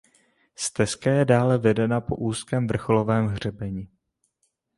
Stezka je dále vedena po úzkém vrcholovém hřebeni.